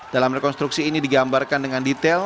dalam rekonstruksi ini digambarkan dengan detail